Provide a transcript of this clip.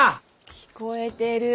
聞こえてる！